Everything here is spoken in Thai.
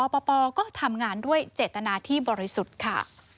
ปปก็ทำงานด้วยเจตนาที่บริสุทธิ์ค่ะ